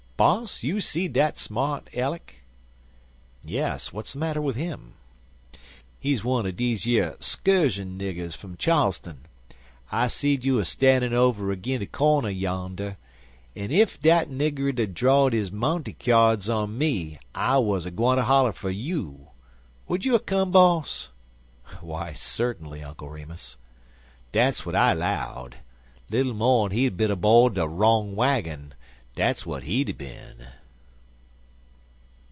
"Boss, you see dat smart Ellick?" "Yes, what's the matter with him?" "He's one er deze yer scurshun niggers from Charlstun. I seed you a stannin' over agin de cornder yander, an' ef dat nigger'd a draw'd his monty kyards on me, I wuz a gwineter holler fer you. Would you er come, boss?" "Why, certainly, Uncle Remus." "Dat's w'at I 'low'd. Little more'n he'd a bin aboard er de wrong waggin. Dat's w'at he'd a bin."